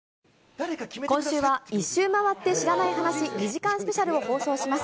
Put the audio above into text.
今週は、１周回って知らない話２時間スペシャルを放送します。